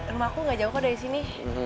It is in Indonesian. rumahku gak jauh kok dari sini